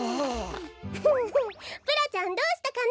フフンプラちゃんどうしたかな？